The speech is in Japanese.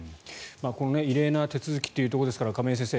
異例な手続きということですから亀井先生